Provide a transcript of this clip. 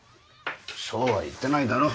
そうは言ってないだろ？